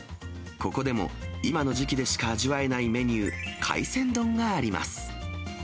ここでも今の時期でしか味わえないメニュー、海鮮丼があります。